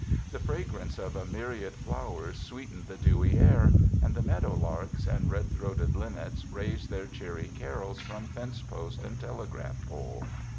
The fragrance of a myriad flowers sweetened the dewy air, and the meadow larks and red throated linnets raised their cheery carols from fence post and telegraph pole.